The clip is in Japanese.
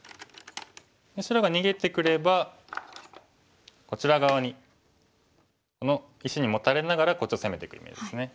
白が逃げてくればこちら側にこの石にモタれながらこっちを攻めていくイメージですね。